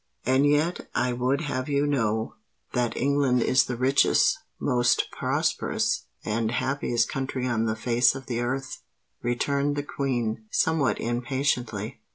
"And yet I would have you know that England is the richest, most prosperous, and happiest country on the face of the earth," returned the Queen, somewhat impatiently.